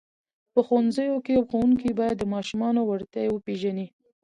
په ښوونځیو کې ښوونکي باید د ماشومانو وړتیاوې وپېژني.